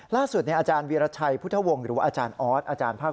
ล่าสุดอาจารย์วิรัชัยพุทธวงศ์หรือว่าอาจารย์ออส